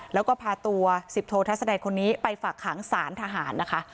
แล้วก็พาตัว๑๐โททัศดัยคนนี้ไปฝากขังสารทหารนะคะ